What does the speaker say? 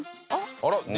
あら？